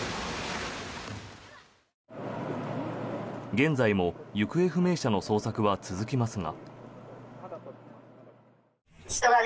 現在も行方不明者の捜索は続きますが。